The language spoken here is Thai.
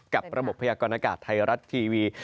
กับระบบพยากรณากาศไทยรัฐทีวี